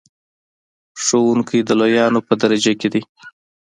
ښوونکی د لویانو په درجه کې دی.